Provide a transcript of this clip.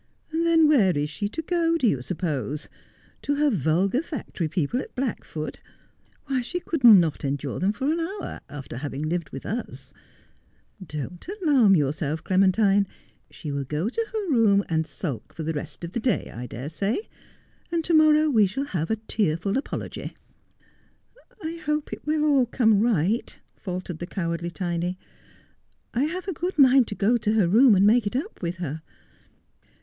And then where is die to go, do you suppose ? To her vulgar factory people at Blackford? Why, she could not endure them for an hour after having lived with iu Don't alarm yourself, Clemen tine. She will go to her room and sulk for the rest of the day, I dare say ; and to morrow we shall have a tearful apology.' 'phope it will all come right,' faltered the cowardly Tiny. ' I have a good mind to go to her room and make it up with her.'